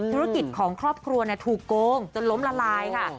ธุรกิจของครอบครัวถูกโกงจนล้มละลายค่ะ